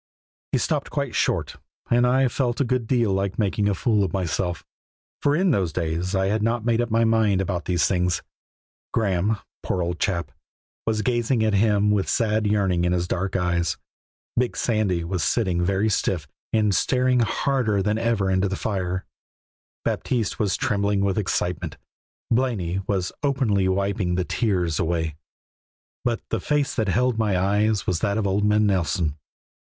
He stopped quite short, and I felt a good deal like making a fool of myself, for in those days I had not made up my mind about these things. Graeme, poor old chap, was gazing at him with a sad yearning in his dark eyes; big Sandy was sitting very stiff and staring harder than ever into the fire; Baptiste was trembling with excitement; Blaney was openly wiping the tears away, but the face that held my eyes was that of old man Nelson.